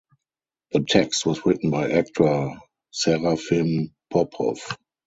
The text was written by actor Serafim Popov.